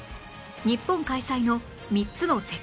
日本開催の３つの世界大会